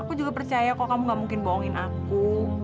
aku juga percaya kok kamu gak mungkin bohongin aku